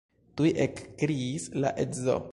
Tuj ekkriis la edzo.